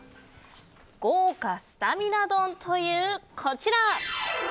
豪華スタミナ丼というこちら。